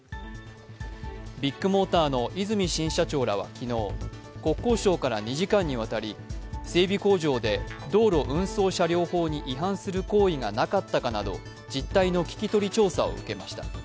ビッグモーターの和泉新社長らは昨日、国交省から２時間にわたり整備工場で道路運送車両法に違反する行為がなかったかなど実態の聞き取り調査を受けました。